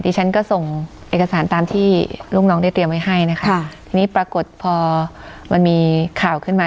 ฉันก็ส่งเอกสารตามที่ลูกน้องได้เตรียมไว้ให้นะคะทีนี้ปรากฏพอมันมีข่าวขึ้นมา